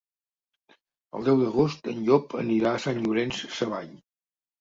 El deu d'agost en Llop anirà a Sant Llorenç Savall.